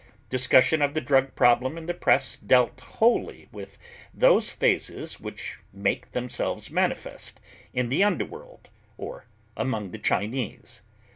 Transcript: Discussion of the drug problem in the press dealt wholly with those phases which make themselves manifest in the underworld or among the Chinese.